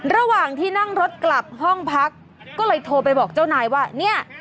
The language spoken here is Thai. ระหว่างที่นั่งรถกลับห้องพักก็เลยโทรไปบอกเจ้านายว่าเนี่ย